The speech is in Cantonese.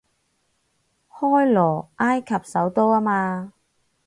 開羅，埃及首都吖嘛